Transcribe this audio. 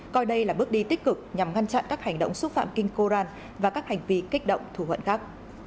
coi đây là bước đi tích cực nhằm ngăn chặn các hành động xúc phạm kinh koran và các hành vi kích động thù hận khác